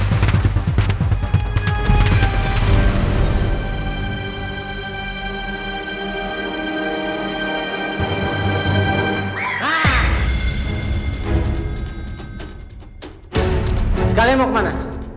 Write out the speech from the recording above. kalian mau ke mana